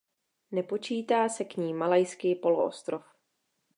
Nepočítá se k ní Malajský poloostrov.